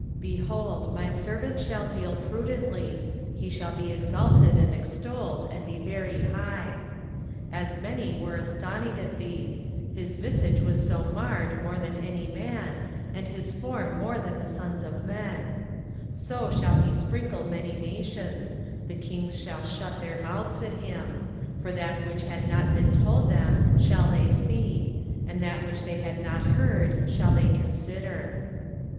23:052:013 Behold, my servant shall deal prudently, he shall be exalted and extolled, and be very high. 23:052:014 As many were astonied at thee; his visage was so marred more than any man, and his form more than the sons of men: 23:052:015 So shall he sprinkle many nations; the kings shall shut their mouths at him: for that which had not been told them shall they see; and that which they had not heard shall they consider.